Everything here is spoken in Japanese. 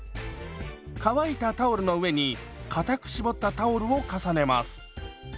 乾いたタオルの上にかたく絞ったタオルを重ねます。